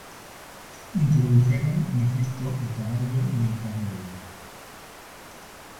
Introdujeron en Egipto el caballo y el carro de guerra.